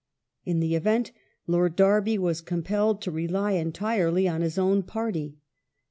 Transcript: In the event, Lord Derby was compelled to rely entirely on his own party.